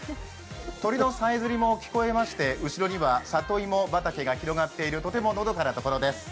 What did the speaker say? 鳥のさえずりも聞こえまして、後ろには里芋畑が広がっているとてものどかなところです。